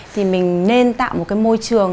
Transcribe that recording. thì mình nên tạo một môi trường